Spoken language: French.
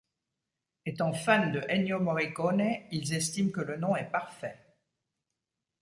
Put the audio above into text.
Étant fans de Ennio Morricone, ils estiment que le nom est parfait.